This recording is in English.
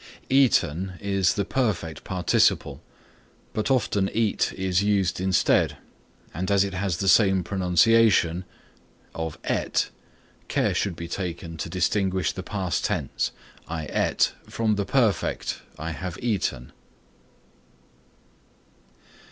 Eaten is the perfect participle, but often eat is used instead, and as it has the same pronunciation (et) of ate, care should be taken to distinguish the past tense, I ate from the perfect I have eaten (eat).